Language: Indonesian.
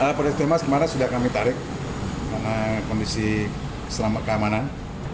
alat perestirma semangat sudah kami tarik karena kondisi selamat keamanan